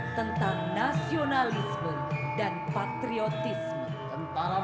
tentang nasionalisme dan patriotisme